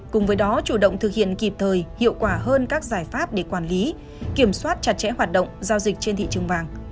cùng với đó chủ động thực hiện kịp thời hiệu quả hơn các giải pháp để quản lý kiểm soát chặt chẽ hoạt động giao dịch trên thị trường vàng